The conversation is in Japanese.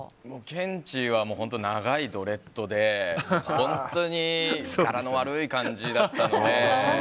ケンチは、長いドレッドで本当にガラの悪い感じだったので。